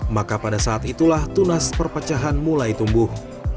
maka pada saat itulah tunas perpecahan mulai tumbuh